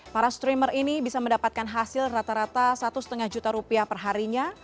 para streamer ini bisa mendapatkan hasil rata rata satu lima juta rupiah perharinya